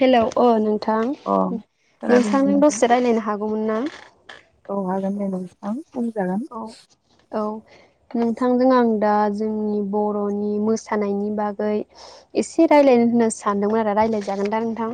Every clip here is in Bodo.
हेलौ अ नोंथां अ खोनादोंना नोंथांजों नोंथां? दसे रायलायनो हागौमोनना [inaudible] औ हागोन दे नोंथां बुंजागोन औ औ नोंथांजों आं दा जोंनि बर'नि मोसानायनि बागै एसे रायलायनो होनना सानदोंमोन आरो रायलायजागोन दा नोंथां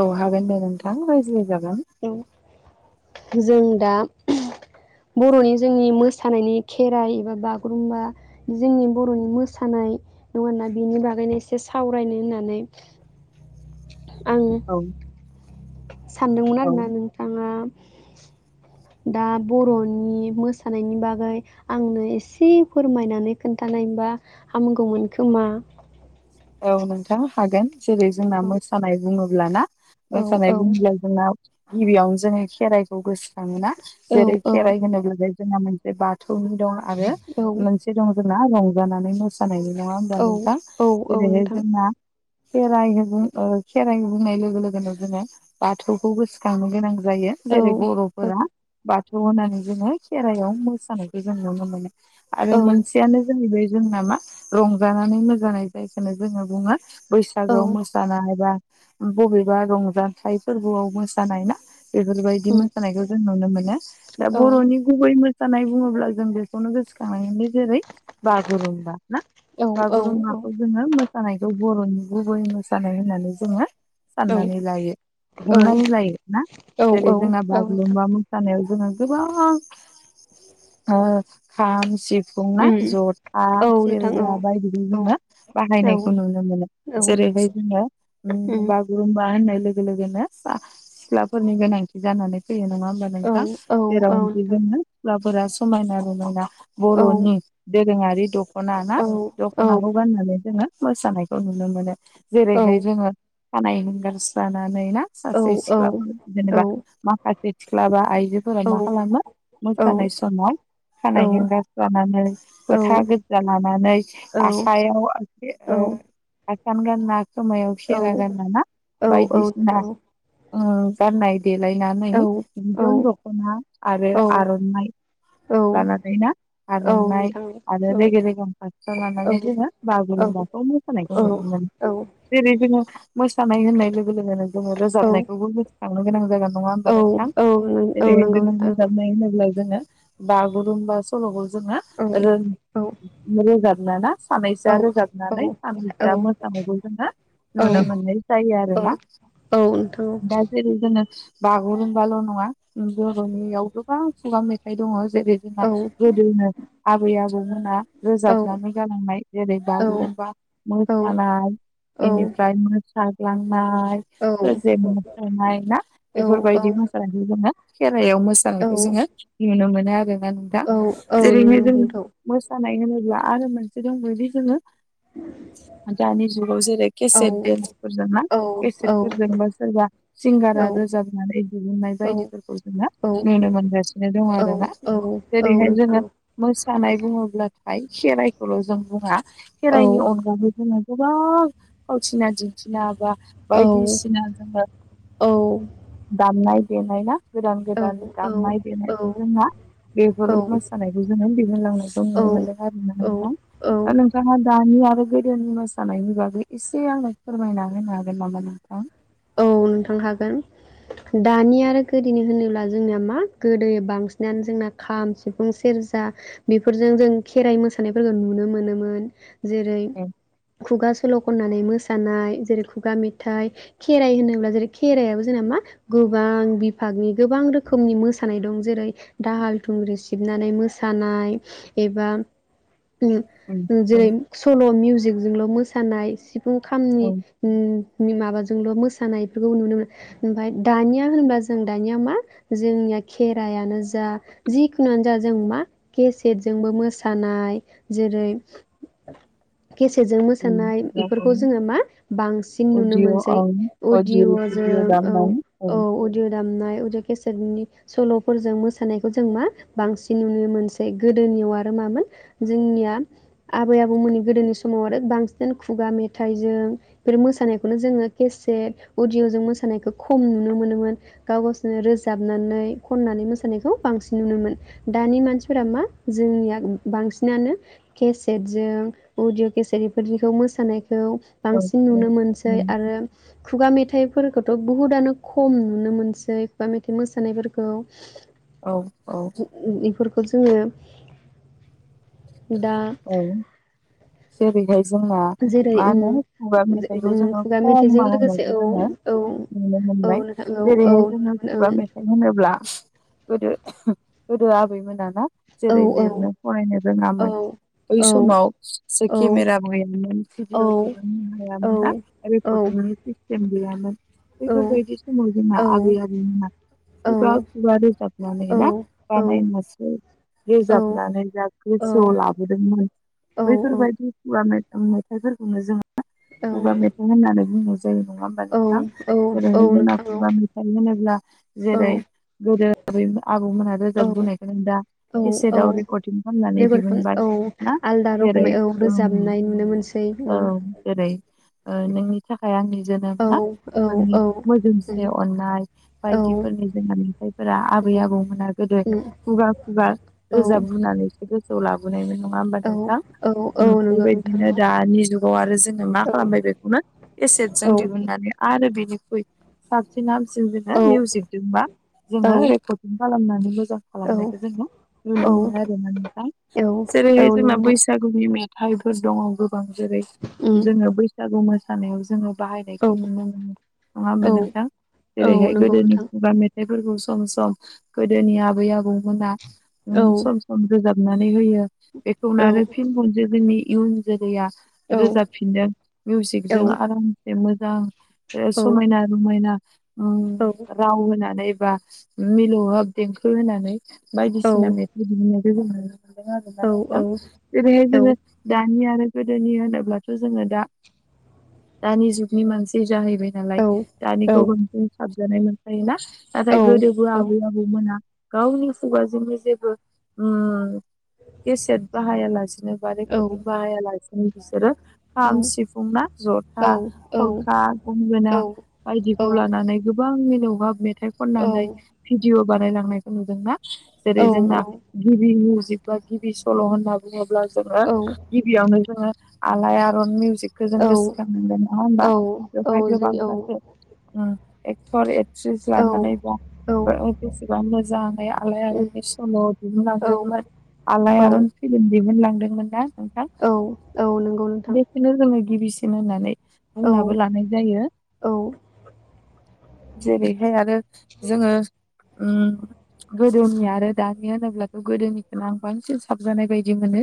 औ हागोन दे नोंथां रायज्लाय जाग औ जों दा बर'नि जोंनि मोसानायनि खेराइ एबा बागुरुम्बा जोंनि बर'नि मोसानाय नङ ना बेनि बागैनो एसे सावरायनो होननानै आं औ सानदोंमोन औ आरोना नोंथाङा दा बर'नि मोसानायनि बागै आंनो एसे फोरमायनानै खोन्थानायमोनबा हामगौमोन खोमा औ नोंथां हागोन जेरै जोंना औ मोसानाय बुङो लाना औ मोसानाय औ बुङोब्ला जोंना गिबियावनो जोङो खेराइखौ गोसो खाङोना जेरै औ खेराइ होनोब्लाथाय जोंहा मोनसे बा थौनि दं आरो मोनसे दं जोंना रंजानानै मोसानायनि नङा होमबा औ नोंथां औ औ बिदिनो नोंथां जोंना खेराइ बुं खेराइ बुंनाय लोगो लोगोनो जोङो बाथौखौ गोसोखांनो गोनां जायो जेरै औ बर'फोरा औ बा थौ होनानै जोङो खेराइआव मोसानायखौ जों नुनो मोनो आरो औ मोनसियानो जोंनि बे जोंनामा रंजानानै मोसानाय जायखोनो जोङो बुङो औ बैसागोआव मोसानाय बा बबेबा रंजाथाइ फोरबोआव मोसानाय ना? बेफोरबायदि उम मोसानायखौ जों नुनो मोनो। दा औ बर'नि गुबै मो सानाय बुङोब्ला जों बेखौनो गोसोखांनांगोन दि जेरै बागुरुम्बा ना औ औ बागुरुम्बा जोङो मोसानायखौ बर'नि गुबै मोसानाय होननानै जोङो साननानै औ लायो हमनानै लायो ना। औ औ जेरै जोंना नोंथां बागुरुम्बा मोसानायाव जोङो गोबां ओ खाम सिफुं ना उम जथा औ नोंथां सेरजा बायदि [unintelligible] जोङो औ बाहायनायखौ नुनो मोनो। औ जेरैहाय जोङो उम बागुरुम बा होननाय लोगो लोगोनो सिख्लाफोरनि गोनांथि जानानै फैयो नङा होमबा औ नोंथां औ औ जेरावनोखि नोंथां जोङो [unintelligible] फोरा समायना रमायना औ बर'नि दो रोङारि दख ना ना? औ औ दख'नाखौ जोङो मोसानायखौ नुनो मोनो। जेरैहाय जोङो खानाय हुंगारस्राना नै ना सासे औ सिख्लाफोर जेनेबा माखासे सिख्ला बा आइजोफोरा मा खालामो? औ मोसानाय समाव खानाइ औ हेंगारस्रानानै औ फोथा गोजा लानानै आस औ औ [unintelligible] आसान गानना खोमायाव औ खेरा गानना ना औ बायदिसिना नोंथां ओ गाननाय देलायनानै औ औ बिदन दख'ना आरो औ आर'नाय औ लानानै ना आर'नाय नोंथां आरो औ रेगे रेगां फास्रा औ औ लानानै जोङो औ बागुरुम्बाखौ मोसानायखौ नुयो मोनो। जेरै जोङो मोसानाय होननाय लोगो लोगोनो जोङो रोजाबनायखौबो हमनो गोनां जागोन नङा औ होमबा नोंथां? औ जेरै नंगौ जोङो नोंथां रोजाबनाय होनोब्ला जोङो बागुरुमबा सल'खौ जोङो औ औ [unintelligible] रोजाबना ना औ सानैसोआ रोजाबनानै औ नोंथां औ नोंथां औ सानैसोआ औ मोसानायखौ जोङो नुनो मोननाय जायो आरो ना। दा जेरै जोङो बागुरुमबाल' नङा बर'नियाव गोबां खुगा मेथाइ दङ'। जेरै जोंना गोदोनो आबै आबौ मोना रोजाबनानै जालांनाय जेरै बागुरुमबा मोसानाय बेनिफ्राय मो साग्लां नाय ओ जे मोसानाय ना बेफोरबायदि मोसानायखौ जोङो हायाव मोसानायखौ जोङो नुनो मोन [unintelligible] ना नोंथा जेरैनो जों मोसा नायनोब्ला आरो मोन [unintelligible] जोंङो दानि जुगाव जेरै केसेट देन्सफोरजों ना केसेटफोरजोंबा सोरबा सिंगारा रोजाबनानै दिहुननाय औ बायदिफोरखौ जोङो औ औ नुनो मोनगासिनो दङ औ आरोना औ औ जेरैहाय नोंथां जोङो औ मोसानाय बुङोब्ला आय सेेराय [unintelligible] जों बुङा खेरायनि अनगाबो जोङो गोबां फावथिना दिन्थिना बा औ बायदिसिना जोङो औ दामनाय देनाय ना गोदान गोदान औ औ दामनाय देनायखौ जोंना बेफोर मोसानायखौ जोङो दिहुनलांनायखौ औ नुनो मोनदों आरोना। औ थां ओ नोंथाङा दानि आरो गोदोनि मोसानायनि बागै एसे आंनो फोरमायना होनो हागोन नामा नोंथां? औ नोंथां हागोन दानि आरो गोदोनि होनोब्ला जोंनिया मा गोदोयो बांसिनानो जोंना खाम सिफुं सेरजा बेफोरजों जों खेराइ मोसानायफोरखौ नुनो मोनोमोन जेरै ए खुगा सल' खननानै मोसानाय जेरै खुगा मेथाइ खेराइ होनोब्ला जेरै खेराइयाबो जोंना मा गोबां बिभागनि गोबां रोखोमनि मोसानाय दं जेरै दाहाल थुंग्रि सिबनानै मोसानाय एबा उम जेरै सल' मिउजिक जोंल' मोसानाय सिब फुं खामनि औ उम नि माबाज जोंल' मासानायफोरखौ नुनो मोनो ओमफाय दानिया होनबा जों दानिया मा जोंनिया खेराइयानो जा जिखुनुआनो जा जों मा केसेटजोंबो मोसानाय जेरै केसेटजों उम मोसानाय औ औ इफोरखौ जोङो मा बांसिन नुनो अडिअ' मोनसै औ अडिअ' अदिअ' भिडिअ जों औ दामनानै औ अदिअ' दामनाय अदिअ' केस सोरनि सल'फोरजों मोसानायखौ जों मा बांसिन नुनो मोनसै गोदोनियाव आरो मामोन जोंनिया आबै -आबौमोननि गोदोनि समाव आरो बांसिन खुगा मेथाइजों इफोर मोसानायखौनो जोङो केसेट उदिय'जों मोसानायखौ खम नुनो मोनोमोन गाव गावसोरनो रोजाबनानै खननानै मोसानायखौ बांसिन नुनोमोन दानि मानसिफोरा मा जोंनिया बांसिनानो केसेटजों अदिअ' केसेट इफोरदिखौ मोसानाय खौ औ बांसिन औ नुनो मोनसै उम आरो खुगा मेथाइफोरखौथ' बुहुदआनो खम नुनो मोनसै खुगा मेथाइ मोसानायफोरखौ । औ -औ । खौ जोङो दा औ जेरैहाय जोंना जेरै मा उम होनो खुगा मेथाइखौ उम जोङो खुगा [unintelligible] मेथाइजों लोगोसे होयनायखौ औ जोङो औ नुनो औ मोनबाय नोंथां औ औ जेरैहाय नुनो जोङो मोनो खुगा मेथाइ होनोब्ला गोदो गोदो आबै मोनाना जेरै ओं औ लिरनो फरायनो औ रोङामोन बै औ समाव स से औ केमेरा गैयामोन औ औ औ [unintelligible] जाबनानै ना बानायनासो रोजाबनानै जा । गोसोआव लाबोदोंमोन औ औ बैफोरबायदि खुवा मेथ मेथाइफोरखौनो जोङो औ खुगा मेथाइ होननानै बुङो । जायो नङा होमबा औ नोंथां जेरैहाय औ नोंथां औ [unintelligible] होनोब्ला जेरै गोदो आबौमोनहा औ रोजाबबुनायखौनो दा औ औ केसेटआव रेकर्दिं खालामनानै रेकर्ड खाम दिहुनबाय औ ना आलदा रोखोमै औ रोजाबनाय नुनो मोनसै उम जेरै जेरै ओ नोंनि थाखाय आंनि औ जोनोमा औ बेफोरनि औ मोजोमसे उम अननाय औ बायदिफोरनि जोंना मेथायफोरा आबै उम आबौमोना गोदो उम खुगा खुगा औ रोजाब बुनानैसो गोसो लाबोनाय नुनो नङा होमबा औ नोंथां औ औ उम नंगौ नोंथां बेबायदिनो दानि जुगाव आरो जों मा औ खालामबाय बेखौनो औ केसेतजों दिहुननानै आ रो बेनिख्रुइ साबसिन हाम सिन दोंबा औ मिउजिकदोंबा जोङो रेकर्डिं खालामनानै औ [unintelligible] जोङो औ नुनो मोनो आरो ना नोंथां। औ औ जेरैहाय जोंना नंगौ नोंथां बैसागुनि मे [unintelligible] दङ' गोबां जेरै उम जोङो बैसागु मो सानायाव जोङो औ बाहायनायखौ नुनो मोनो नङा होमबा औ नोंथां औ जेरैहाय नंगौ गोदोनि नोंथां खुगा मे बेफोरखौ सम सम गोदोनि आबै आबौमोना औ उम सम सम रोजाब नानै हैयो। बेखौ औ आरो फिन [unintelligible] जोंनि इउन जोलैया औ । दों मिउजिकजों आराम बे मोजां ओ औ समायना रमायना उम राव होनानै बा मिलौहाब देंखो होनानै बायदिसिना मेथाइ दिहुनो [unintelligible] [unintelligible] आरो ना नोंथां बिदिनो जोङो दानि आरो गोदोनि होनोब्ला थ' जोङो दा दानि जुगनि मानसि जाहैबाय नालाय औ औ दानिखौ बांसिन साब [unintelligible] मोनफायो ना औ जों औ उम नाथाय गोदोबो आबै आबौ मोना गावनि खुगाजोंनि जेबो केसेट बाहाया लासिनो बा रेकरदिं बाहाया लासिनो बिसोरो खाम सिफुं ना जथा खलखा गंगोना बायदिखौ लानानै गोबां [unintelligible] मेथाइ खननानै भिदिअ' बानायलांनायखौ नुदों ना जेरै जोंना गिबि निउस जिबबा गिबि सल' होनना बुङोब्ला ब्ला जोङो गिबियावनो जोङो आलाइआ रन खौ जों गोसोखांनांगोन नङा होमबा बेवहाय गोबांथासो एकथर एख एक्ट्रिस लानानैबा बेसेबां मोजाङै आलायारननि सल' दिहुनलांदोंमोन औ आलायारन फिल्म दिहुनलांदों। मोन दा औ औ नंगौ नोंथां बेखौनो जोङो गिबिसिन बिनो होननानै औ बुंनाबो लानाय जायो औ जेरैहाय आरो जोङो ओम गोदोनि आरो दानि होनोब्लाथ' गोदोनिखौनो आं बांसिन साबजानाय बायदि मोनो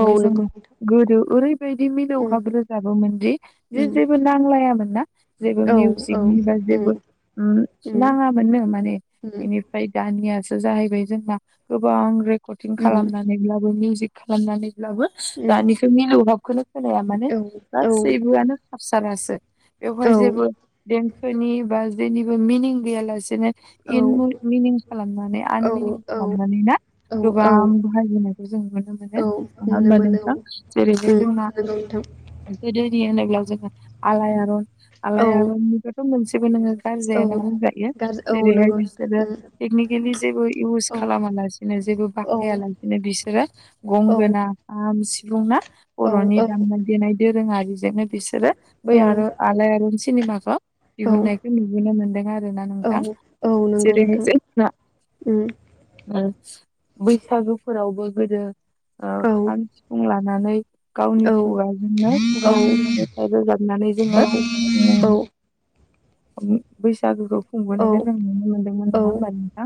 औ नंगौ जोंङो नोंथां गोदो ओरै बिदि उम मिलौहाब रोजाबोमोन दि जे उम जेबो नांलायामोन ना जेबो औ औ मिउजिकनि बा जेबो उम ओम उम नाङामोननो माने उम बेनिफ्राय दानिया सो जाहैबाय जोंना गोबां रेकर्दिं उम खालामनानैब्लाबो मिउजिक खालामनानै लाबो दानिखौ मिलौहाब खौनो खोनाया मानि उम औ औ गासैबोआनो हारसा गोजासो बेवहाय औ जेबो देंखोनि बा जेनिबो मिनिं गैयालासेनो औ इन मिनिं खालामनानै आनमिनिं खालामनानै ना औ औ गोबां बाहायबोनायखौ जों नुनो मोनो नङा औ नुनो होमबा मोनो औ नोंथां उम जेरैहाय [unintelligible] नंगौ नोंथां देग्लाय जोंहा आलाय आरन आलाय औ आरननिबाथ मोनसे थेबो नोङो। औ गाजजायानो बुंजायो गाज्रि औ जेरैहाय नंगौ नोंथां बिसोरो टेकनिकेलि जेबो इउस उम खालामा लासिनो जेबो औ बाहाया लासेनो बिसोरो औ गंगोना खाम सि बुंना औ बरनि दामनाय देनाय दोरोङारि बिजोंनो बिसोरो बै आर आलाय आरन सिनेमाखो औ दिहुननायखौ नुबोनो मोनदों आरो ना औ नोंथां औ नंगौ जेरैहाय नोंथां उम बैसागुफोरावबो गोदो ओ औ खाम सुफुं लाना नुनानै औ गावनि खुगाजोंनो खुगा औ मेथाइ रोजाबनानै जोङो औ बैसागोखौ औ खुंबोनायखौ जों नुनो मोन्दोंमोन औ नङा होमबा नोंथां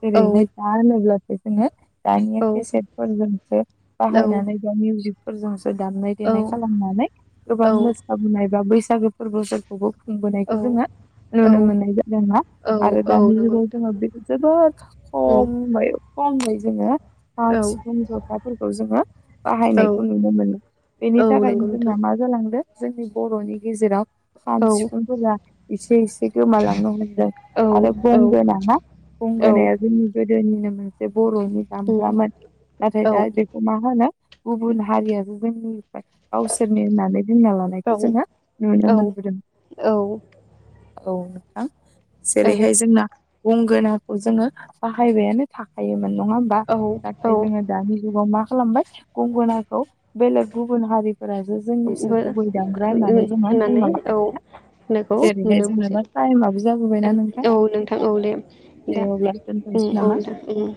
जेरैहाय दा होनोब्ला [unintelligible] दानिया औ केसेट फोरजोंसो औ बाहायनानै बा मिउजिक फोरजों दामनाय देनाय खालामनानै गोबां मोसाबोननाय बा बैस [unintelligible] खुंबोनायखौ जोङो नुनो मोननाय जादों ना आरो औ दानि नंगौ जुगाव नोंथां जोङो बे जोबोद उम खमायाव [unintelligible] जोङो खाम औ सिफुं जथाफोरखौ जोंङो औ बाहायनाय नुनो मोनो बेनि औ थाखायनो नंगौ नोंथां जोंना मा जालां दो जोंनि बर'नि गेजेराव खाम सिफुंफोरा इसे इसे गोमालांनो हमदों औ आरो औ गंगोना ना औ गंगोनाया जोंनि गोद जोंनिनो मोनसेब बर'नि उम दामग्रामोन नाथाय औ दा बेखौ मा होनो? गुबुना हारियाबो जोंनि गावसोरनि होननानै बुंना लानायखौ औ जोंङो नुनो औ मोनबोदों। औ नोंथां जेरैहाय जोंना गंगोनाखौ जोङो बाहायबायानो थाखायो मोन नङा ओमबा औ औ नाथाय जोङो दानि जुगाव मा खालामबाय गंगोना औ बेलेग गुबुन हारिफोरासो बो जोंनिसो गुबै दामग्रा होननानै जोंहा बुंना औ लाखायखैया होननायखौ जेरैहाय नुनो जोंना मोनसै दा टाइमाबो जाबोबायना नोंखाय औ नोंथां औ दे दे दा अब्ला उम दोनथ'नोसै औ नामा? उम